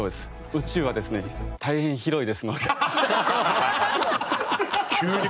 宇宙はですね大変広いですので。